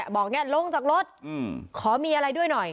บอกเนี่ยลงจากรถขอมีอะไรด้วยหน่อย